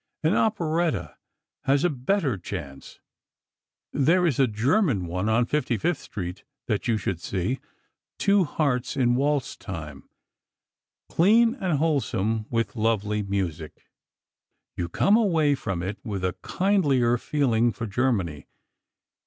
An operetta has a better chance. There is a German one on 55th Street that you should see—'Two Hearts in Waltz Time'—clean and wholesome, with lovely music. You come away from it with a kindlier feeling for Germany.